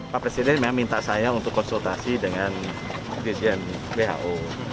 pak presiden memang minta saya untuk konsultasi dengan dirjen who